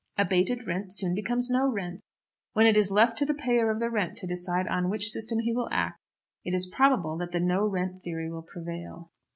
Abated rent soon becomes no rent. When it is left to the payer of the rent to decide on which system he will act, it is probable that the no rent theory will prevail.